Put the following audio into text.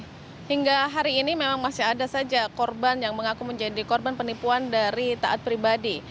sehingga hari ini memang masih ada saja korban yang mengaku menjadi korban penipuan dari taat pribadi